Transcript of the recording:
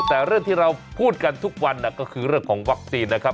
แต่เรื่องที่เราพูดกันทุกวันก็คือเรื่องของวัคซีนนะครับ